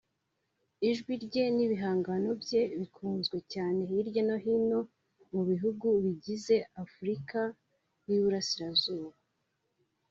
Ijwi rye n’ibihangano bye bikunzwe cyane hirya no hino mu bihugu bigize Afurika y’i Burasirazuba